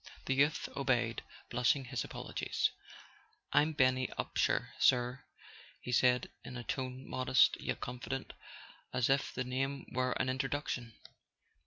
The youth obeyed, blushing his apologies. "I'm Benny Upsher, sir," he said, in a tone modest yet confident, as if the name were an introduction.